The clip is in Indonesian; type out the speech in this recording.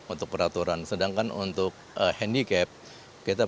untuk peraturan permainan kita mengacu kepada rna royal ancient itu dari scotland